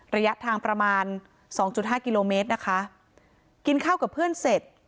ระยะทางประมาณสองจุดห้ากิโลเมตรนะคะกินข้าวกับเพื่อนเสร็จ